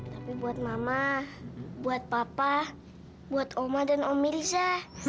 tapi buat mama buat papa buat oma dan om mirza